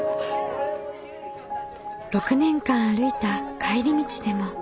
６年間歩いた帰り道でも。